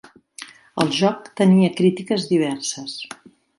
El joc tenia crítiques diverses.